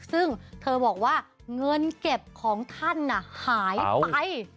ซึ่งเธอบอกว่าเงินเก็บของท่านหายไป